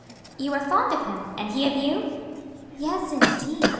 "You are very fond of him, and he of you?" "Yes, indeed!